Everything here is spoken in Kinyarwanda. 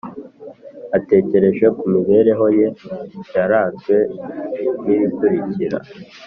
atekereje ku mibereho ye yaranzwe n ibikurikira